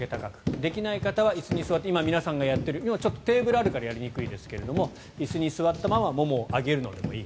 できない方は椅子に座って今、皆さんがやっている今、テーブルがあるからやりにくいですが椅子に座ったままももを上げるのでもいい。